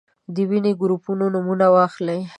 د وینې د ګروپونو نومونه واخلئ.